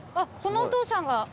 このお父さんが。